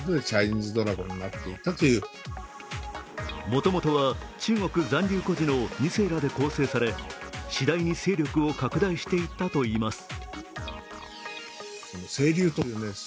もともとは、中国残留孤児の２世らで構成されしだいに勢力を拡大していったといいます。